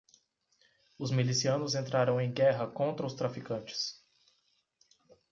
Os milicianos entraram em guerra contra os traficantes.